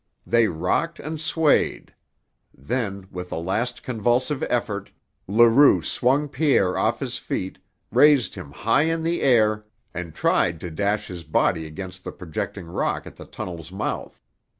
They rocked and swayed; then, with a last convulsive effort, Leroux swung Pierre off his feet, raised him high in the air, and tried to dash his body against the projecting rock at the tunnel's mouth.